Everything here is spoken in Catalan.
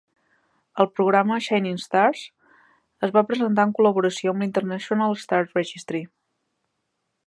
El programa Shining Stars es va presentar en col·laboració amb l'International Star Registry.